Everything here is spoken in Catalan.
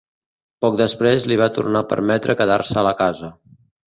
Poc després, li va tornar a permetre quedar-se a la casa.